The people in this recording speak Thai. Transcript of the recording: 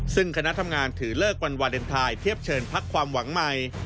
ซึ่งคณะทำงานถือเลิกวันวาเลนไทยเทียบเชิญพักความหวังใหม่